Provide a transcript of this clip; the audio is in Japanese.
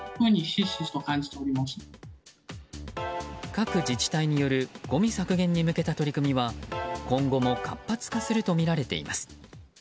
各自治体によるごみ削減に向けた取り組みは今後も活発化するとみられています。